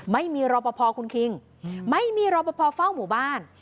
ไม่มีรอปภคุณคิงไม่มีรอปภเฝ้าหมู่บ้าน